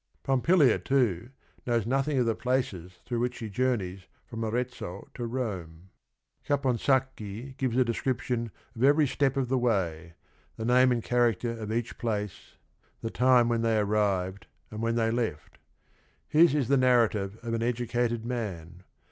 Pompilia, too, knows nothing of the places throu gh— which bhe journeys from Arezzo to Rome. Caponsacchi gives a description of ev ery step_ of the way, — the, name and character of each place, the time when they arrived and w hen they left. H is is the narrative of an educa ted man.